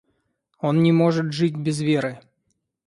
Он не может жить без веры...